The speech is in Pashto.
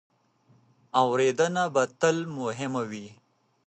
اورېدنه به تل مهمه وي.